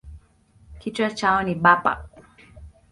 Kichwa chao ni bapa.